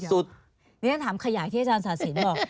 นี่ถ้าถามใครอยากให้อาจารย์สาธิตบอก